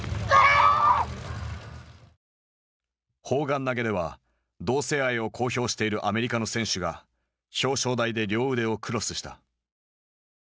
砲丸投げでは同性愛を公表しているアメリカの選手が表彰台で両腕をクロスした。